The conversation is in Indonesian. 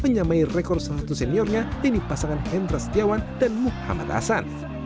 menyamai rekor salah satu seniornya ini pasangan hendra setiawan dan muhammad hasan